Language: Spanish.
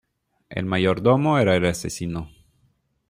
El mayordomo era el asesino.